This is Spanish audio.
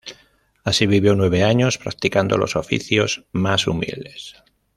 Así vivió nueve años, practicando los oficios más humildes.